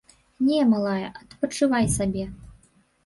Не, малая, адпачывай сабе.